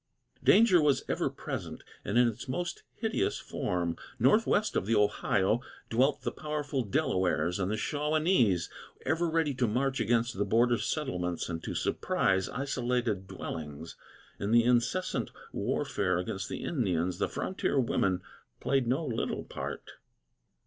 Danger was ever present and in its most hideous form. Northwest of the Ohio dwelt the powerful Delawares and Shawanese, ever ready to march against the border settlements and to surprise isolated dwellings. In the incessant warfare against the Indians, the frontier women played no little part.